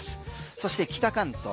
そして北関東。